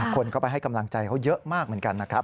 คนก็ไปให้กำลังใจเขาเยอะมากเหมือนกันนะครับ